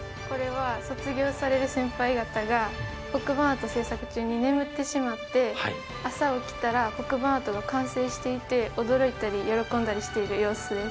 卒業される先輩方が黒板アート制作中に眠ってしまって、朝起きたら黒板アートが完成していて驚いたり喜んだりしている様子です。